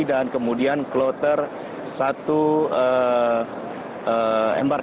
dan kemudian kloter satu jepang